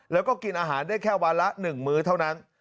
แล้วก็กินอาหารได้แค่วันละ๑มื้อเท่านั้น